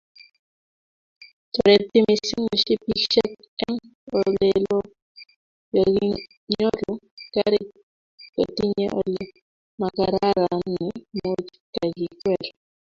toreti mising mishipishek eng oleloo yoginyoru karit kotinye ole magararan ne muuch kakikwere